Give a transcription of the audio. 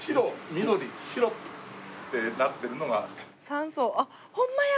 ３層あっホンマや！